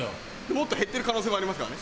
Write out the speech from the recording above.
もっと減ってる可能性もありますからね。